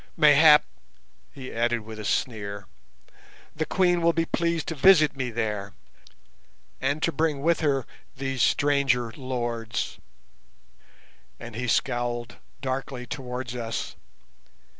Mayhap," he added, with a sneer, "the Queen will be pleased to visit me there, and to bring with her these stranger lords," and he scowled darkly towards us.